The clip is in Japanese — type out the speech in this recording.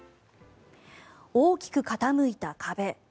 大きく傾いた壁。